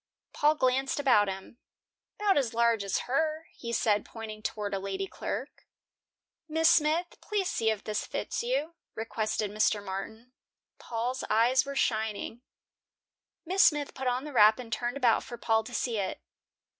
Paul glanced about him. "'Bout as large as her." he said, pointing toward a lady clerk. "Miss Smith, please see if this fits you," requested Mr. Martin. Paul's eyes were shining. Miss Smith put on the wrap and turned about for Paul to see it.